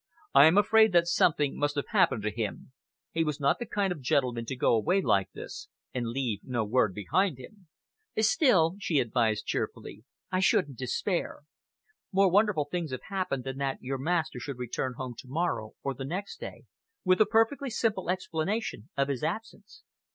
"I am afraid that something must have happened to him. He was not the kind of gentleman to go away like this and leave no word behind him." "Still," she advised cheerfully, "I shouldn't despair. More wonderful things have happened than that your master should return home to morrow or the next day with a perfectly simple explanation of his absence."